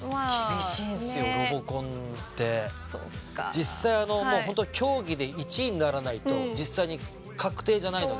実際もう本当競技で１位にならないと実際に確定じゃないので。